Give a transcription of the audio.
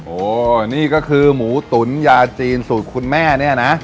โอ้นี่ก็คือหมูตุ๋นยาจีนสูตรคุณแม่เนี่ยนะ